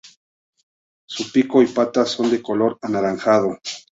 Su pico y patas son de color anaranjado.